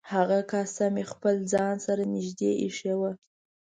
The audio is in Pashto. هغه کاسه مې خپل ځان سره نږدې ایښې وه.